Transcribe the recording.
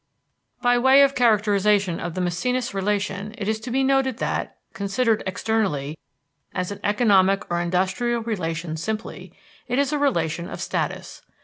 By way of characterization of the Maecenas relation, it is to be noted that, considered externally, as an economic or industrial relation simply, it is a relation of status.